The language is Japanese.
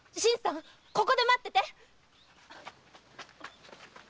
ここで待っててっ！